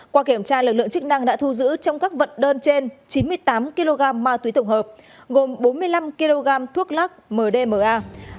qua kiểm tra lực lượng chức năng đã thu giữ trong các vận đơn trên chín mươi tám kg ma túy tổng hợp gồm bốn mươi năm kg thuốc lắc mdma